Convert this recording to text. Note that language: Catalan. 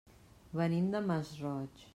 Venim del Masroig.